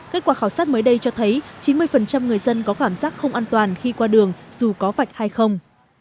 kết quả khảo sát mới đây cho thấy chín mươi người dân có cảm giác không an toàn khi qua đường dù có vạch hay không